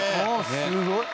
「すごい！」